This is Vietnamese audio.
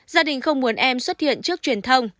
gia đình không muốn em xuất hiện trước truyền thông